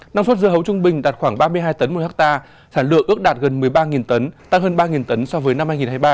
năng suất dưa hấu trung bình đạt khoảng ba mươi hai tấn một hectare sản lượng ước đạt gần một mươi ba tấn tăng hơn ba tấn so với năm hai nghìn hai mươi ba